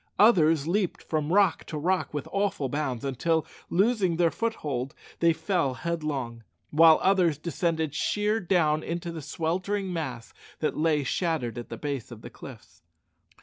Others leaped from rock to rock with awful bounds, until, losing their foothold, they fell headlong; while others descended sheer down into the sweltering mass that lay shattered at the base of the cliffs.